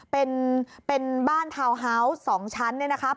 เป็นบ้านทาวน์ฮาวส์๒ชั้นเนี่ยนะครับ